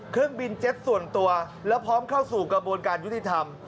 เครื่องบินเจ็ตส่วนตัวแล้วพร้อมเข้าสู่กระบวนการยุติธรรม